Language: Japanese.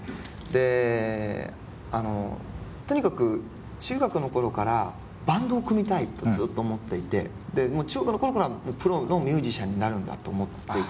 であのとにかく中学の頃からバンドを組みたいとずっと思っていて中学の頃からプロのミュージシャンになるんだと思っていたんですね。